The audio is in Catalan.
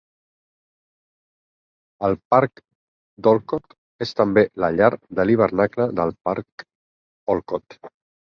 El parc d'Olcott és també la llar de l'hivernacle del parc Olcott.